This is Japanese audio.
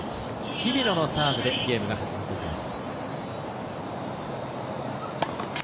日比野のサーブでゲームが始まります。